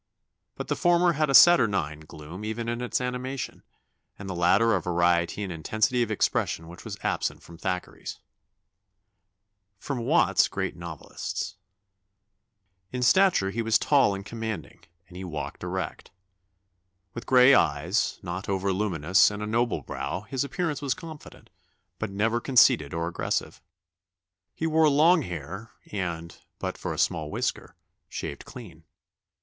But the former had a saturnine gloom even in its animation, and the latter a variety and intensity of expression which was absent from Thackeray's." [Sidenote: Watts's Great Novelists.] "In stature he was tall and commanding, and he walked erect. With gray eyes not over luminous and a noble brow, his appearance was confident, but never conceited or aggressive. He wore long hair, and, but for a small whisker, shaved clean.